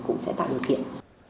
cũng sẽ tạo điều kiện